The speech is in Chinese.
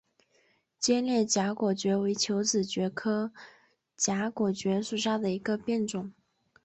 尖裂荚果蕨为球子蕨科荚果蕨属下的一个变种。